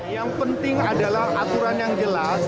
yang penting adalah aturan yang jelas